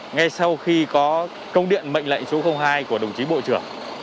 ngay sau khi có công điện mệnh lệnh số hai của đồng chí bộ trưởng